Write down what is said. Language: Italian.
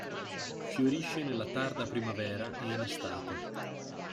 Fiorisce nella tarda primavera e in estate.